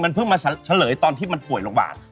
เพิ่งมาเฉลยตอนที่มันป่วยโรงพยาบาล